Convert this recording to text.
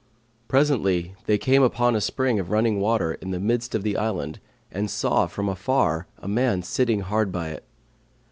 Presently they came upon a spring of running water in the midst of the island and saw from afar a man sitting hard by it.